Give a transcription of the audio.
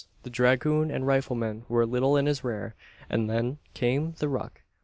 The dragoon and rifleman were a little in his rear; and then came the "ruck."